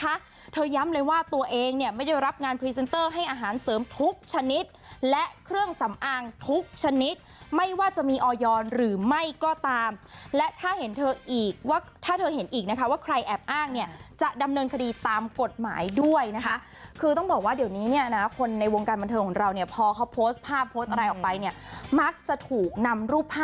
เธอย้ำเลยว่าตัวเองเนี่ยไม่ได้รับงานพรีเซนเตอร์ให้อาหารเสริมทุกชนิดและเครื่องสำอางทุกชนิดไม่ว่าจะมีออยอร์หรือไม่ก็ตามและถ้าเห็นเธออีกว่าถ้าเธอเห็นอีกนะคะว่าใครแอบอ้างเนี่ยจะดำเนินคดีตามกฎหมายด้วยนะคะคือต้องบอกว่าเดี๋ยวนี้เนี่ยนะคนในวงการบันเทิงของเราเนี่ยพอเขาโพสต์ภาพโพสต์อะไรออกไปเนี่ยมักจะถูกนำรูปภาพ